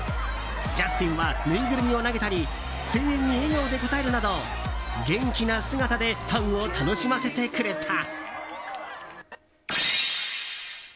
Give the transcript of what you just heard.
ジャスティンはぬいぐるみを投げたり声援に笑顔で応えるなど元気な姿でファンを楽しませてくれた。